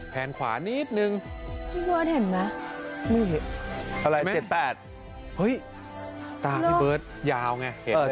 แผนขวานิดนึง